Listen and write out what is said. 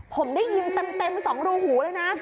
ผมได้ยินเต็ม๒รูหูเลยนะ